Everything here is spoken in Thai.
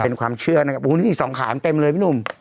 เป็นความเชื่อนะครับโอ้นี่สองขามเต็มเลยพี่หนุ่ม